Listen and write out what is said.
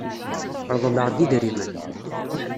Reḍḍleɣ-d idrimen.